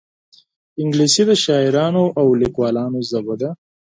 انګلیسي د شاعرانو او لیکوالانو ژبه ده